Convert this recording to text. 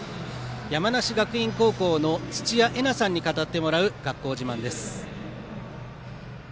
山梨学院高校の土屋慧奈さんに語ってもらう学校自慢です。